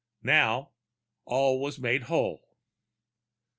Now, all was made whole.